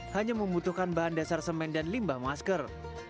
hanya membutuhkan bahan dasar semen dan limbah masker